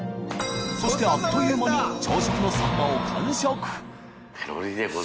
磴修靴あっという間に朝食のサンマを完食森川）